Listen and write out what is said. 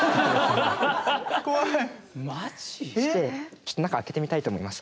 ちょっと中開けてみたいと思います。